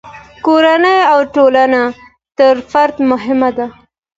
کورنۍ او ټولنه تر فرد مهمه ده.